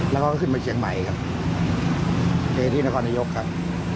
แล้วก็ขึ้นมาเชียงใหม่ครับไปที่นครนายกครับ